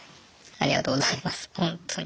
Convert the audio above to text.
ありがとうございますほんとに。